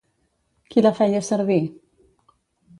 Qui la feia servir?